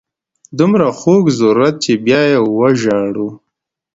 دومره خوږ ضرورت چې بیا یې وژاړو.